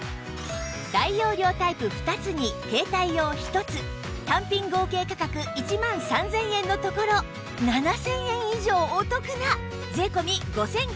大容量タイプ２つに携帯用１つ単品合計価格１万３０００円のところ７０００円以上お得な税込５９８０円